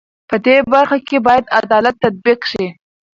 په دې برخه کې بايد عدالت تطبيق شي.